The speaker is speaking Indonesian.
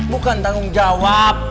bukan tanggung jawab